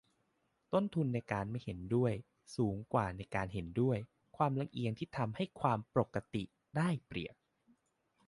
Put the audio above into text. ต้นทุนในการไม่เห็นด้วยสูงกว่าในการเห็นด้วย - ความลำเอียงที่ทำให้ 'ความปกติ' ได้เปรียบ